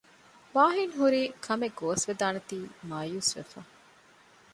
ވާހިން ހުރީ ކަމެއް ގޯސްވެދާނެތީ މާޔޫސްވެފަ